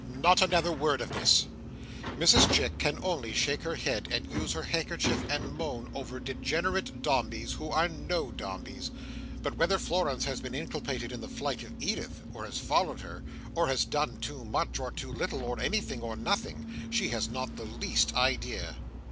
Not another word of this!" Mrs Chick can only shake her head, and use her handkerchief, and moan over degenerate Dombeys, who are no Dombeys. But whether Florence has been inculpated in the flight of Edith, or has followed her, or has done too much, or too little, or anything, or nothing, she has not the least idea.